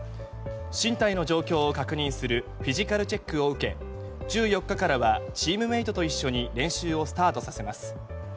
身体の状況を確認するフィジカルチェックを受け１４日からはチームメートと一緒に練習をスタートさせます。